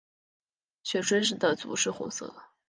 血雉的足是红色的。